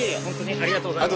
ありがとうございます。